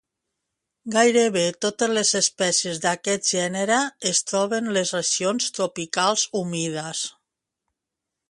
Gairebé totes les espècies d'aquest gènere es troben les regions tropicals humides.